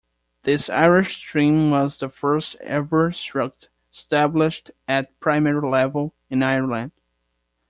This Irish stream was the first ever 'Sruth' established at primary level in Ireland.